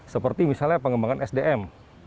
seperti misalnya pengembangan sdm